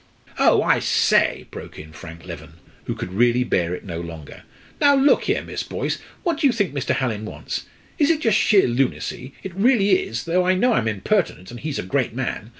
"Oh! I say," broke in Frank Leven, who could really bear it no longer. "Now look here, Miss Boyce, what do you think Mr. Hallin wants? It is just sheer lunacy it really is though I know I'm impertinent, and he's a great man.